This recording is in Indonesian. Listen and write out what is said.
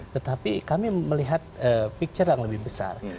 tetapi kami melihat picture yang lebih besar